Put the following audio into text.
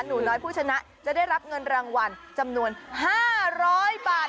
หนูน้อยผู้ชนะจะได้รับเงินรางวัลจำนวน๕๐๐บาท